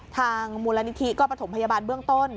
ทางมูลนิธิก็ประถมพยาบาลเบื้องต้น